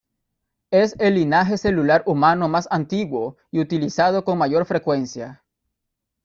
Es el linaje celular humano más antiguo y utilizado con mayor frecuencia.